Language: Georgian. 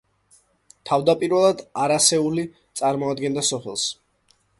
თავდაპირველად ანასეული წარმოადგენდა სოფელს.